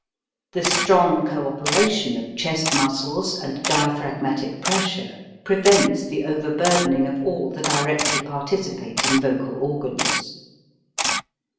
The strong co operation of chest muscles and diaphragmatic pressure prevents the overburdening of all the directly participating vocal organs.